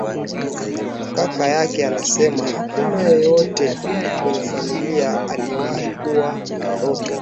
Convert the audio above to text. Kaka yake anasema hakuna yeyote kwenye familia aliyewahi kuwa na ndoto